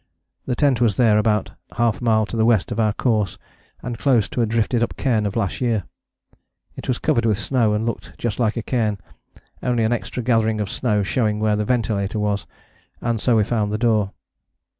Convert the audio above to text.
The tent was there, about half a mile to the west of our course, and close to a drifted up cairn of last year. It was covered with snow and looked just like a cairn, only an extra gathering of snow showing where the ventilator was, and so we found the door.